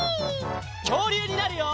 きょうりゅうになるよ！